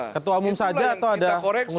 ketua umum saja atau ada pengurusan lain